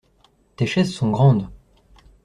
Tes chaises sont grandes.